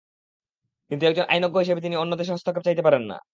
কিন্তু একজন আইনজ্ঞ হিসেবে তিনি অন্য দেশের হস্তক্ষেপ চাইতে পারেন না।